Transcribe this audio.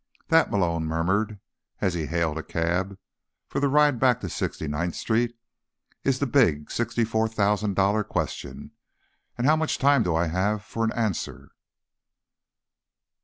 "That," Malone murmured as he hailed a cab for the ride back to 69th Street, "is the big, sixty four thousand dollar question. And how much time do I have for an answer?"